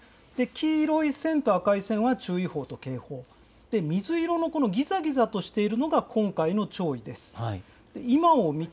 黄色い線と赤い線は注意報と警報、水色のこのぎざぎざとしているのが今回の潮位です。